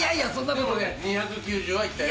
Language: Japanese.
でもね２９０はいったよ。